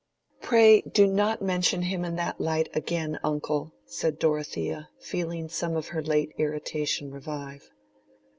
"Pray do not mention him in that light again, uncle," said Dorothea, feeling some of her late irritation revive.